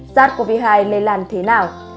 sars cov hai lây làn thế nào